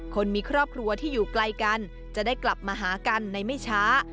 คนมีครอบครัวที่อยู่ไกลกันจะได้กลับมาหากันในไม่ช้า